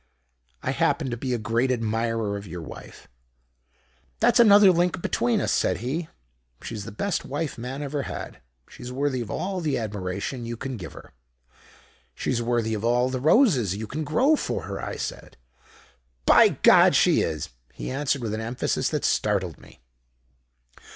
'I happen to be a great admirer of your wife.' "'That's another link between us,' said he. 'She's the best wife man ever had. She's worthy of all the admiration you can give her.' "She's worthy of all the roses you can grow for her,' I said. "'By God, she is!' he answered with an emphasis that startled me.